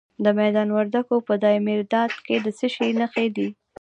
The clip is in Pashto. د میدان وردګو په دایمیرداد کې د څه شي نښې دي؟